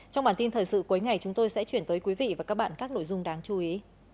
trong bản tin thời sự cuối ngày chúng tôi sẽ chuyển tới quý vị và các bạn các nội dung đáng chú ý